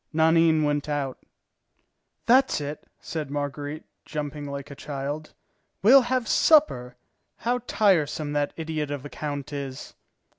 Nanine went out. "That's it," said Marguerite, jumping like a child, "we'll have supper. How tiresome that idiot of a count is!"